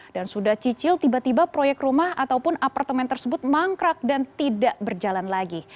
dan sudah cicil tiba tiba proyek rumah ataupun apartemen tersebut mangkrak dan tidak berjalan lagi